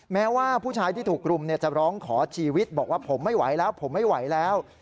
แม้ว่าผู้ชายที่ถูกรุมจะร้องขอชีวิตบอกว่าผมไม่ไหวแล้วผมไม่ไหวแล้ว